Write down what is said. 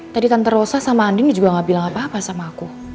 tadi tante rosa sama andin juga gak bilang apa apa sama aku